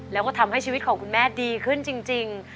แล้วก็ทำให้ชีวิตของคุณแม่ดีขึ้นจริง